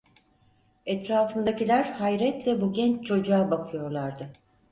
Etrafındakiler hayretle bu genç çocuğa bakıyorlardı.